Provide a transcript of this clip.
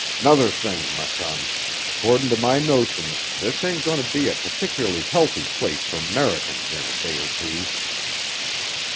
"'Nother thing, m' son, 'cordin' to my notions this ain't goin' ter be a partic'laly healthy place fer 'Mericans in a day er two.